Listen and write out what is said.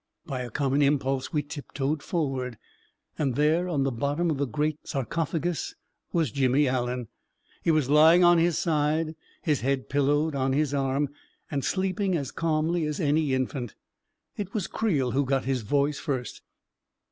By a common impulse, we tiptoed forward. And there, on the bottom of the great sarcophagus, was Jimmy Allen. He was lying on his side, his head pillowed on his arm, and sleeping as calmly as any infant. It was Creel who got his voice first.